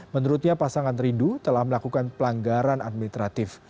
menurutnya pasangan rindu telah melakukan pelanggaran administratif